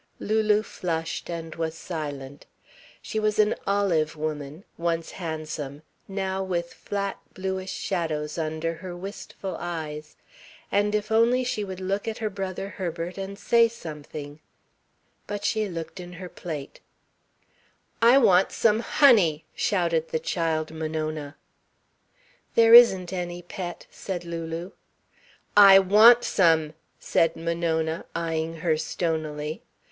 Lulu flushed and was silent. She was an olive woman, once handsome, now with flat, bluish shadows under her wistful eyes. And if only she would look at her brother Herbert and say something. But she looked in her plate. "I want some honey," shouted the child, Monona. "There isn't any, Pet," said Lulu. "I want some," said Monona, eyeing her stonily.